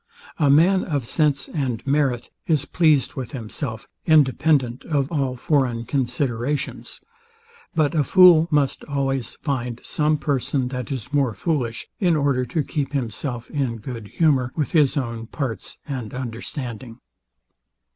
A man of sense and merit is pleased with himself, independent of all foreign considerations: But a fool must always find some person, that is more foolish, in order to keep himself in good humour with his own parts and understanding.